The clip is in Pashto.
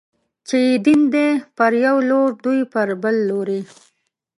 چې يې دين دی، پر يو لور دوی پر بل لوري